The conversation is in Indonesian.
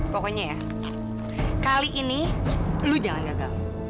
pokoknya ya kali ini lu jangan gagal